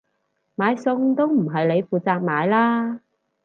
買餸都唔係你負責買啦？